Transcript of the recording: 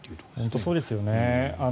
本当にそうですね。